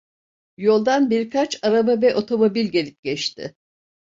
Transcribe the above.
Yoldan birkaç araba ve otomobil gelip geçti.